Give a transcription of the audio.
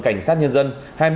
cảnh sát nhân dân